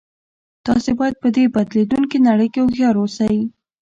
تاسې باید په دې بدلیدونکې نړۍ کې هوښیار اوسئ